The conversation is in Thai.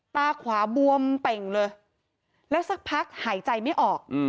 ตาขวาบวมเป่งเลยแล้วสักพักหายใจไม่ออก